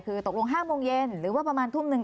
คือตกลง๕โมงเย็นหรือว่าประมาณทุ่มหนึ่ง